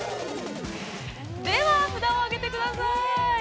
◆では札を上げてください。